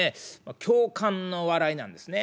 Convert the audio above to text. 共感の笑いなんですね。